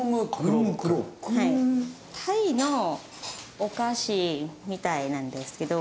タイのお菓子みたいなんですけど。